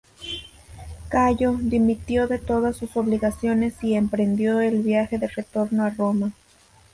Cayo dimitió de todas sus obligaciones y emprendió el viaje de retorno a Roma.